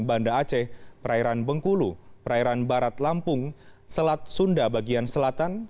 banda aceh perairan bengkulu perairan barat lampung selat sunda bagian selatan